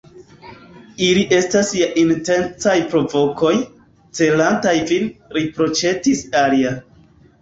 Ili estas ja intencaj provokoj, celantaj vin, riproĉetis alia.